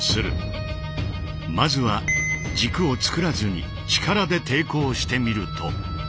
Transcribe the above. まずは軸を作らずに力で抵抗してみると。